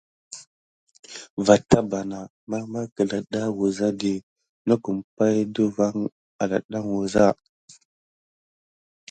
Vo täbana ɓarbar ke ɗeɗa wuza dit nekua pay ɗe van à ɗaɗa wuza.